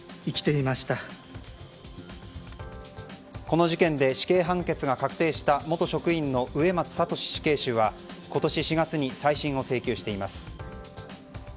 この事件で死刑判決が確定した元職員の植松聖死刑囚は今年４月に再審を請求しています。